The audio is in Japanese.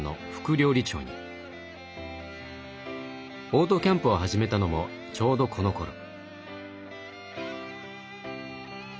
オートキャンプを始めたのもちょうどこのころ。